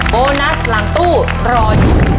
โบนัสหลังตู้๑๐๐บาท